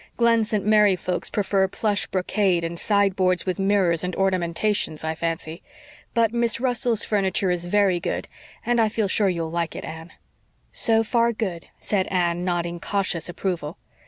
Glen St. Mary folks prefer plush brocade and sideboards with mirrors and ornamentations, I fancy. But Miss Russell's furniture is very good and I feel sure you'll like it, Anne." "So far, good," said Anne, nodding cautious approval.